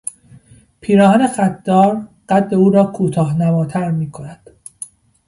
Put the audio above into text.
پیراهن خط دار قد او را کوتاه نماتر می کند.